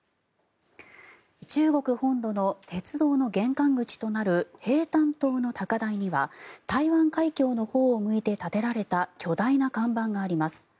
中国本土の鉄道の玄関口となる平潭島の高台には台湾海峡のほうを向いて立てられた巨大な看板があります。